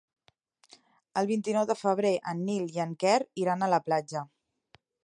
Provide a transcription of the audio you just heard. El vint-i-nou de febrer en Nil i en Quer iran a la platja.